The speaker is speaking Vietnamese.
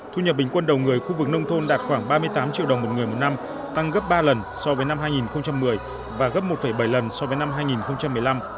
thu nhập bình quân đầu người khu vực nông thôn đạt khoảng ba mươi tám triệu đồng một người một năm tăng gấp ba lần so với năm hai nghìn một mươi và gấp một bảy lần so với năm hai nghìn một mươi năm